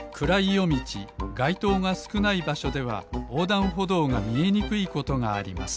よみちがいとうがすくないばしょではおうだんほどうがみえにくいことがあります。